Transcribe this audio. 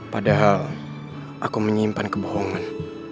padahal aku menyimpan kebohongan